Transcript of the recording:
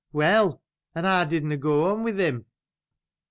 — Well, and how did you go on with him